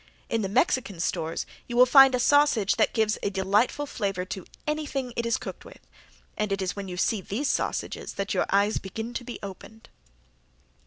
In the Mexican stores you will find a sausage that gives a delightful flavor to anything it is cooked with, and it is when you see these sausages that your eyes begin to be opened.